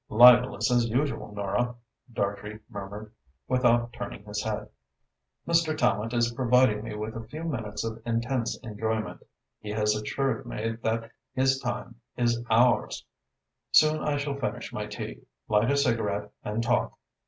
"Libellous as usual, Nora," Dartrey murmured, without turning his head. "Mr. Tallente is providing me with a few minutes of intense enjoyment. He has assured me that his time is ours. Soon I shall finish my tea, light a cigarette and talk.